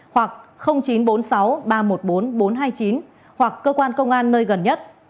hoặc chín trăm bốn mươi sáu ba trăm một mươi bốn bốn trăm hai mươi chín hoặc cơ quan công an nơi gần nhất